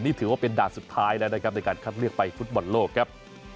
นี่ถือว่าเป็นด่านสุดท้ายแล้วนะครับในการคัดเลือกไปฟุตบอลโลกครับ